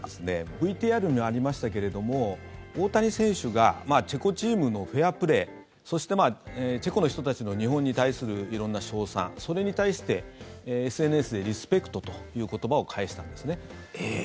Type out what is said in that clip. ＶＴＲにありましたけれども大谷選手がチェコチームのフェアプレーそして、チェコの人たちの日本に対する色んな称賛それに対してＳＮＳでリスペクトという言葉を返したんですね。